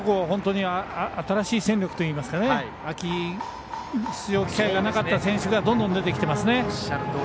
本当に新しい戦力といいますか秋、出場機会がなかった選手がどんどん出てきてますね。